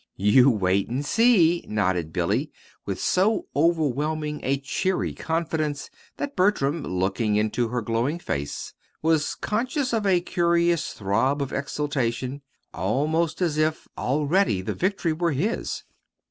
"You wait and see," nodded Billy, with so overwhelming a cheery confidence that Bertram, looking into her glowing face, was conscious of a curious throb of exultation, almost as if already the victory were his.